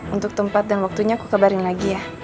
untuk tempat dan waktunya aku kabarin lagi ya